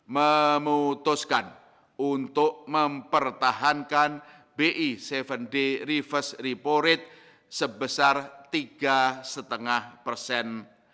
memutuskan untuk mempertahankan bi tujuh day reverse repo rate sebesar tiga lima persen